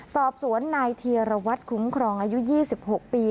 สอบสวนนายเทียรวัตรคุ้มครองอายุ๒๖ปี